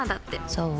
そう？